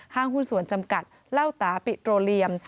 ห้างหุ้นสวนจำกัดเล่าตาปิตรโรเลียม